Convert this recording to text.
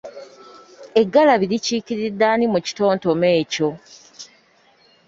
Eggalabi likiikiridde ani mu kitontome ekyo?